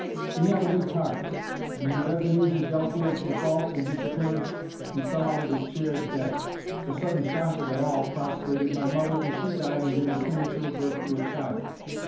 He had a weak heart, and when he read the news of Delafield's default and disappearance he fell out of his chair dead. The sudden shock of it all prostrated my mother, and she died in giving premature birth to a child.